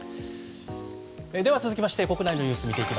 続きまして国内のニュースです。